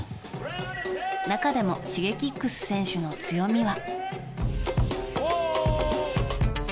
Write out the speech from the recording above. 中でもＳｈｉｇｅｋｉｘ選手の強みは。